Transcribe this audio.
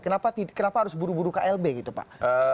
kenapa harus buru buru klb gitu pak